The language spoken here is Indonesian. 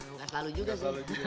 enggak selalu juga sih